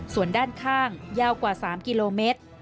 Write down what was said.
ส่วนด้านข้างยาวกว่า๓กิโลเมตร